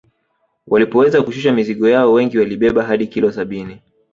Walipoweza kushusha mizigo yao wengi walibeba hadi kilo sabini